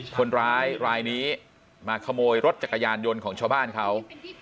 คนร้ายรายนี้มาขโมยรถจักรยานยนต์ของชาวบ้านเขา